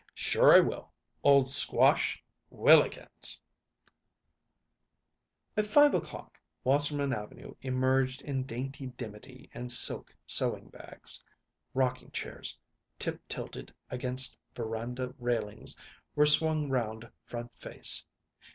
"Sure I will! Old Squash! Whillikens!" At five o'clock Wasserman Avenue emerged in dainty dimity and silk sewing bags. Rocking chairs, tiptilted against veranda railings, were swung round front face.